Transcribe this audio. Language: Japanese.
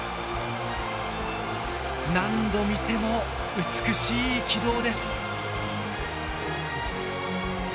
何度見ても美しい軌道です。